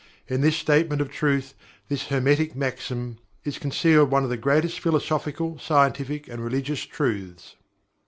In this statement of truth this Hermetic Maxim is concealed one of the greatest philosophical, scientific and religious truths.